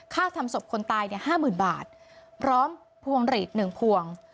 ค่าทำศพคนตายเนี่ย๕๐๐๐๐บาทพร้อมพวงหรีด๑พวง